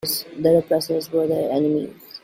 Their oppressors were their enemies.